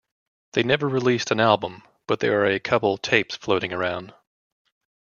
They never released an album but there are a couple tapes floating around.